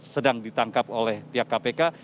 sedang ditangkap oleh pihak kpk